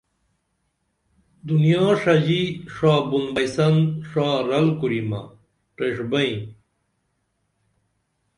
دنیا ݜژی ݜابُن بئیسن ݜا رل کُریمہ پریݜبئیں